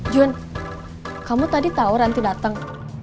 jun kamu tadi tau ranti dateng